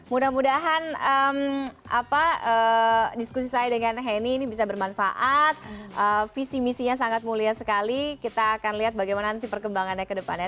mudah mudahan diskusi saya dengan henny ini bisa bermanfaat visi misinya sangat mulia sekali kita akan lihat bagaimana nanti perkembangannya ke depannya